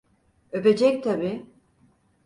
Öpecek tabii…